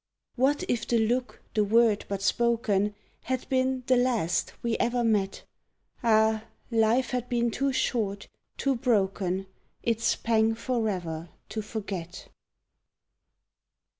What if the look, the word, but spoken, Had been "the last" we ever met? Ah! Life had been too short, too broken, Its pang forever to forget!